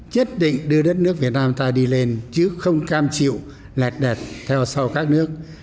chất định đưa đất nước việt nam ta đi lên chứ không cam chịu lẹt đẹt theo sau các nước